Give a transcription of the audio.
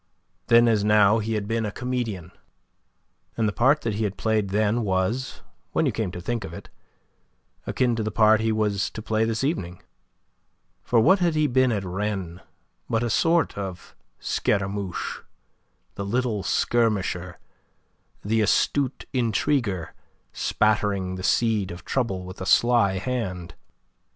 Then as now he had been a comedian; and the part that he had played then was, when you came to think of it, akin to the part he was to play this evening. For what had he been at Rennes but a sort of Scaramouche the little skirmisher, the astute intriguer, spattering the seed of trouble with a sly hand?